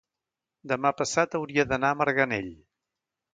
demà passat hauria d'anar a Marganell.